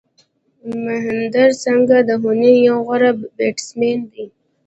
مهندر سنگھ دهوني یو غوره بېټسمېن دئ.